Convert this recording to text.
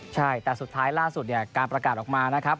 ใช่แต่สุดท้ายล่าสุดเนี่ยการประกาศออกมานะครับ